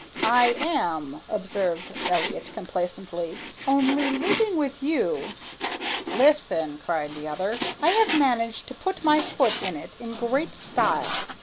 "I am," observed Elliott complacently, "only living with you " "Listen!" cried the other. "I have managed to put my foot in it in great style.